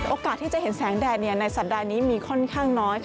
โอกาสที่จะเห็นแสงแดดในสัปดาห์นี้มีค่อนข้างน้อย